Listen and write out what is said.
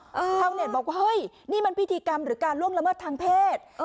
ชาวเน็ตบอกว่าเฮ้ยนี่มันพิธีกรรมหรือการล่วงละเมิดทางเพศ